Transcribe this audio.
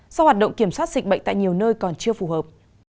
do hoạt động kiểm soát dịch bệnh tại nhiều nơi còn chưa phù hợp